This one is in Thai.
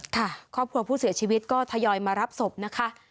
ครอบครัวผู้เสียชีวิตก็ทยอยมารับศพนะคะ